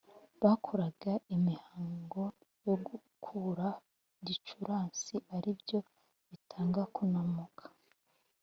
bakoraga imihango yo gukura gicurasi ari byo bitaga kunamuka